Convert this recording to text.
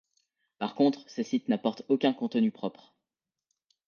Par contre ces sites n'apportent aucun contenu propre.